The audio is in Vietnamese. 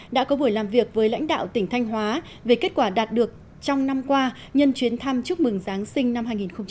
đã có buổi làm việc với lãnh đạo tỉnh thanh hóa về kết quả đạt được trong năm qua nhân chuyến thăm chúc mừng giáng sinh năm hai nghìn một mươi chín